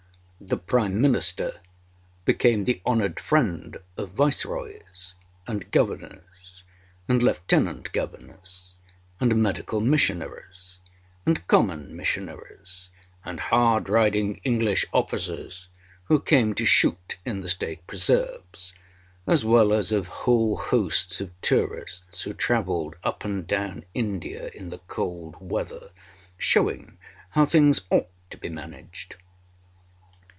The Prime Minister became the honoured friend of Viceroys, and Governors, and Lieutenant Governors, and medical missionaries, and common missionaries, and hard riding English officers who came to shoot in the State preserves, as well as of whole hosts of tourists who travelled up and down India in the cold weather, showing how things ought to be managed.